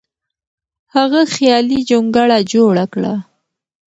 هغه خیالي جونګړه جوړه کړه.